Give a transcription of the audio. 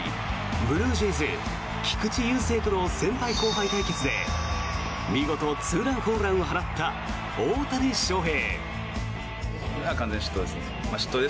ブルージェイズ、菊池雄星との先輩後輩対決で見事ツーランホームランを放った大谷翔平。